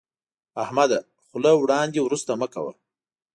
احمده، خوله وړاندې ورسته مه کوه.